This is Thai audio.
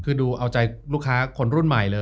คือดูเอาใจลูกค้าคนรุ่นใหม่เลย